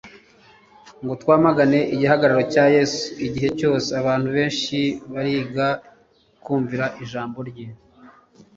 ngo twamagane igihagararo cya Yesu; igihe cyose abantu benshi bariga kumvira ijambo rye,